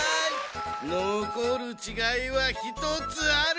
のこるちがいは１つある。